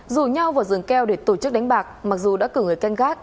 rủ nhau vào rừng keo để tổ chức đánh bạc mặc dù đã cử người canh gác